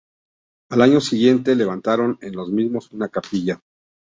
Al año siguiente levantaron en los mismos una capilla.